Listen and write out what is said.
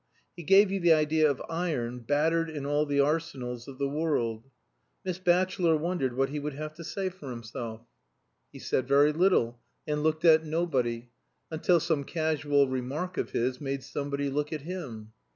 He gave you the idea of iron battered in all the arsenals of the world. Miss Batchelor wondered what he would have to say for himself. He said very little, and looked at nobody, until some casual remark of his made somebody look at him.